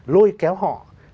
lôi kéo họ